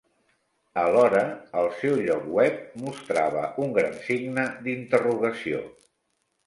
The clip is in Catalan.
Alhora, el seu lloc web mostrava un gran signe d'interrogació.